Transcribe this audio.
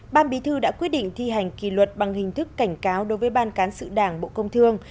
ban bí thư đã quyết định thi hành kỳ luật bằng hình thức cảnh cáo đối với ban cán sự đảng bộ công thương